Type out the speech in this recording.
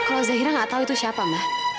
kalau zahira gak tau itu siapa ma